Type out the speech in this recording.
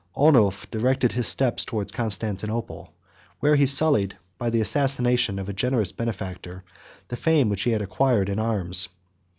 Onulf directed his steps towards Constantinople, where he sullied, by the assassination of a generous benefactor, the fame which he had acquired in arms.